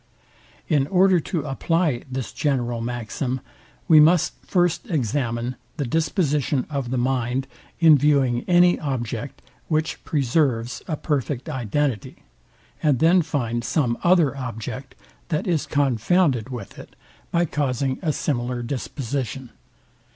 In order to apply this general maxim, we must first examine the disposition of the mind in viewing any object which preserves a perfect identity, and then find some other object, that is confounded with it, by causing a similar disposition.